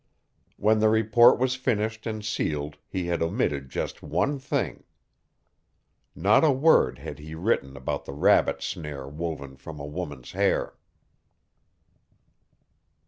When the report was finished and sealed he had omitted just one thing. Not a word had he written about the rabbit snare woven from a woman's hair.